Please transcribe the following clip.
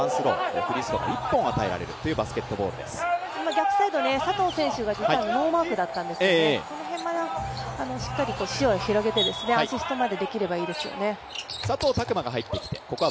逆サイド、佐藤選手が今ノーマークだったんですけど、この辺はしっかり視野を広げて、アシストまでできればいいですよね。